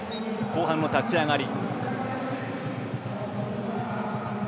後半の立ち上がり。